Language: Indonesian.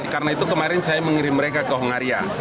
karena itu kemarin saya mengirim mereka ke ongaria